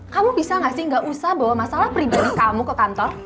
kamu bisa gak sih gak usah bawa masalah pribadi kamu ke kantor